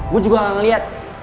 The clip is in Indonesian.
gue juga gak liat